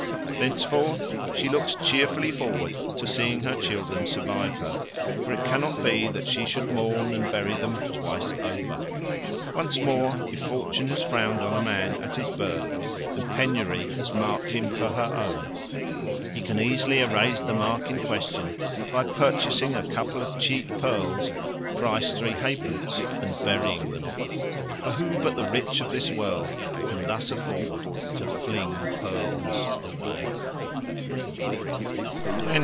Thenceforth she looks cheerfully forward to seeing her children survive her; for it cannot be that she should mourn and bury them twice over. Once more, if fortune has frowned on a man at his birth and penury has marked him for her own, he can easily erase the mark in question by purchasing a couple of cheap pearls, price three halfpence, and burying them. For who but the rich of this world can thus afford to fling pearls away?